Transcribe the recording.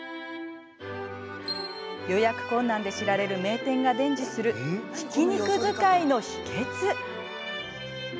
予約困難で知られる名店が伝授するひき肉使いの秘けつ！